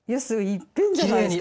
いっぺんじゃないですか。